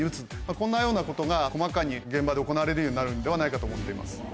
こんなようなことが細かに現場で行われるようになるのではないかと思っています。